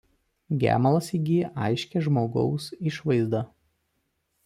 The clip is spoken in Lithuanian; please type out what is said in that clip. Gemalas įgyja aiškią žmogaus išvaizdą.